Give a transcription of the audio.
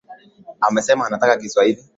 Amesema anataka za kiswahili